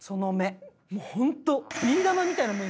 もうホント。